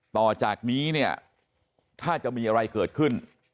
ต่อจากนี้เนี่ยถ้าจะมีอะไรเกิดขึ้น